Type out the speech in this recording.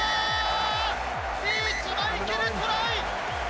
リーチマイケル、トライ！